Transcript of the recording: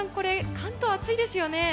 関東、暑いですよね。